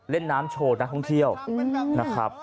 เล่นน้ำโชว์นักท่องเที่ยวนะครับ